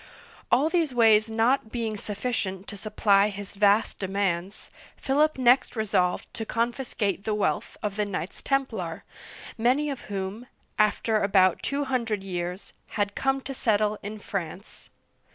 All these ways not being sufficient to supply his vast de mands, Philip next resolved to confis cate the wealth of the Knights Tem plar, many of whom. The Temple. ^f^^^ ^^^^^^^^^^^^^ dred years, had come to settle in France.